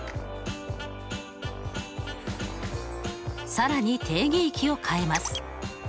更に定義域を変えます。